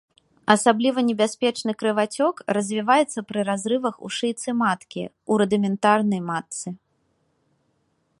Асабліва небяспечны крывацёк развіваецца пры разрывах у шыйцы маткі, у рудыментарнай матцы.